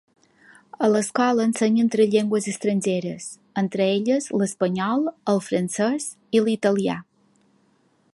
A l'escola ensenyen tres llengües estrangeres, entre elles l'espanyol, el francès i l'italià.